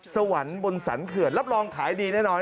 สวรรค์บนสรรเขื่อนรับรองขายดีแน่นอน